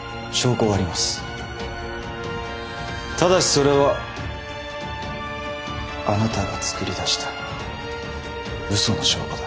ただしそれはあなたが作り出したうその証拠だ。